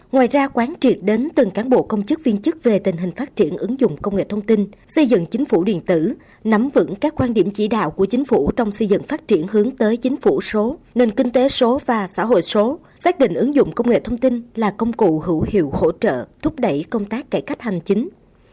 ngoài ra quán triệt đến từng cán bộ công chức viên chức về tình hình phát triển ứng dụng công nghệ thông tin xây dựng chính phủ điện tử nắm vững các quan điểm chỉ đạo của chính phủ trong xây dựng phát triển hướng tới chính phủ số nền kinh tế số và xã hội số xác định ứng dụng công nghệ thông tin là công cụ hữu hiệu hỗ trợ thúc đẩy công tác cải cách hành chính